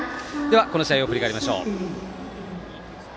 この試合を振り返りましょう。